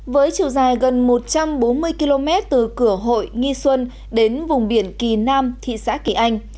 với chiều dài gần một trăm bốn mươi km từ cửa hội nghi xuân đến vùng biển kỳ nam thị xã kỳ anh